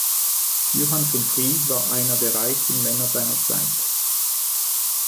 Johann von Fries war einer der reichsten Männer seiner Zeit.